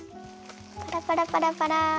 パラパラパラパラ。